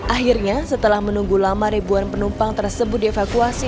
akhirnya setelah menunggu lama ribuan penumpang tersebut dievakuasi